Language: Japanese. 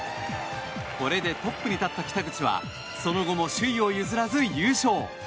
これでトップに立った北口はその後も首位を譲らず優勝。